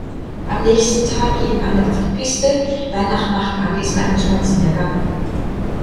Am nächsten Tag gehen alle auf die Piste, danach macht Alice einen Spaziergang.